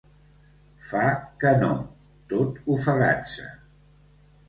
Fa que no, tot ofegant-se.